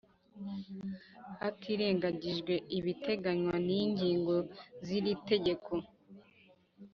Hatirengagijwe ibiteganywa n’ ingingo ziri tegeko